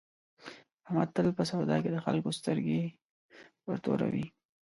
احمد تل په سودا کې د خلکو سترګې ورتوروي.